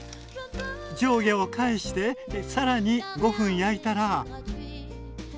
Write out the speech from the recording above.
上下を返してさらに５分焼いたら。